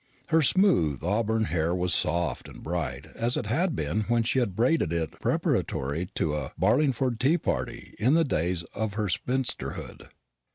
Her smooth auburn hair was as soft and bright as it had been when she had braided it preparatory to a Barlingford tea party in the days of her spinsterhood.